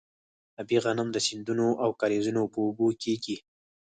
ابي غنم د سیندونو او کاریزونو په اوبو کیږي.